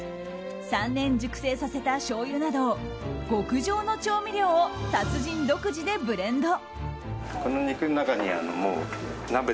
３年熟成させたしょうゆなど極上の調味料を達人独自でブレンド。